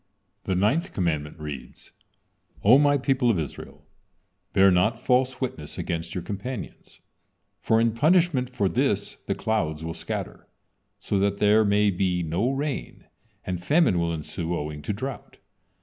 The ninth commandment reads: "O My people of Israel, bear not false witness against your companions, for in punishment for this the clouds will scatter, so that there may be no rain, and famine will ensue owing to drought."